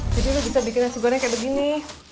jadi kita bikin nasi gorengnya kayak begini